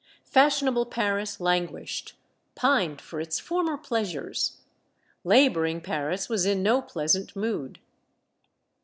Fashion able Paris languished, pined for its former pleas ures ; laboring Paris was in no pleasant mood.